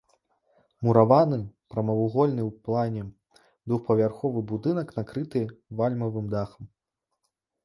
Мураваны, прамавугольны ў плане двухпавярховы будынак накрыты вальмавым дахам.